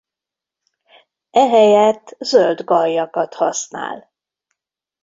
Ehelyett zöld gallyakat használ.